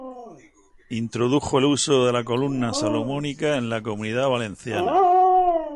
Introdujo el uso de la columna salomónica en la Comunidad Valenciana.